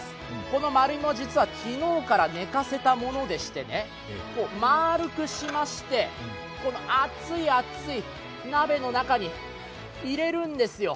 この丸いも、実は昨日から寝かせたものでして丸くしまして、熱い熱い鍋の中に入れるんですよ。